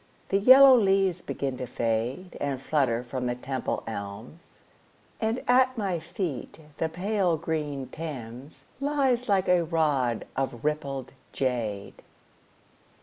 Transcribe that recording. The yellow leaves begin to fade And flutter from the Temple elms, And at my feet the pale green Thames Lies like a rod of rippled jade.